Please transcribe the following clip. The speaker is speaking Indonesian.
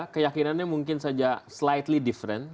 keyakinannya mungkin saja slightly diffense